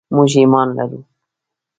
موږ ایمان لرو.